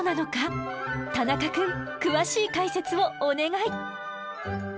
田中くん詳しい解説をお願い！